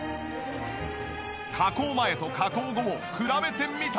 加工前と加工後を比べてみた。